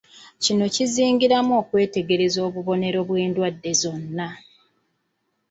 Kino kizingiramu okwetegereza obubonero bw'endwadde bwonna.